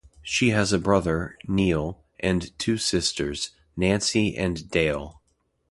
She has a brother, Neal, and two sisters, Nancy and Dale.